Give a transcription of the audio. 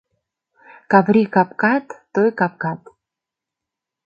Каври капкат — той капкат